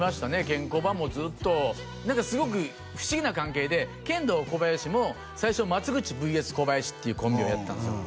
ケンコバもずっと何かすごく不思議な関係でケンドーコバヤシも最初松口ＶＳ小林っていうコンビをやってたんですよ